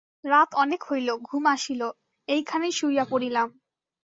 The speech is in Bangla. রাত অনেক হইল, ঘুম আসিল, এইখানেই শুইয়া পড়িলাম।